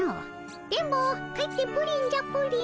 電ボ帰ってプリンじゃプリン。